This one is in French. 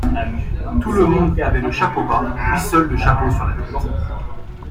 Tout le monde avait le chapeau bas, lui seul le chapeau sur la tête.